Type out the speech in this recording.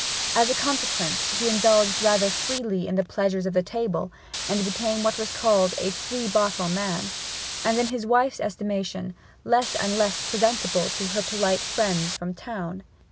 As a consequence he indulged rather freely in the pleasures of the table, became what was called a three bottle man, and, in his wife's estimation, less and less presentable to her polite friends from town.